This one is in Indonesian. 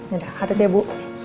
yaudah hati hati ya bu